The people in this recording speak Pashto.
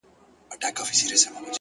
• خداى نه چي زه خواست كوم نو دغـــه وي؛